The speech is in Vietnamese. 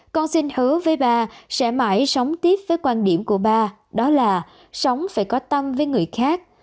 con xin hứa với bà sẽ mãi sống tiếp với quan điểm của bà đó là sống phải có tâm với người khác